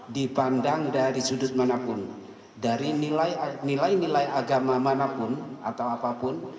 dipandang dari sudut manapun dari nilai nilai agama manapun atau apapun